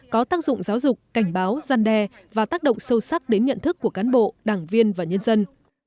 có tác dụng giáo dục cảnh báo gian đe và tác động sâu sắc đến nhận thức của cán bộ đảng viên và nhân dân